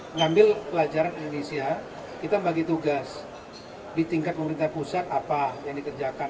mengambil pelajaran indonesia kita bagi tugas di tingkat pemerintah pusat apa yang dikerjakan